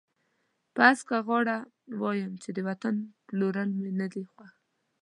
په هسکه غاړه وایم چې د وطن پلورل مې نه دي خوښ.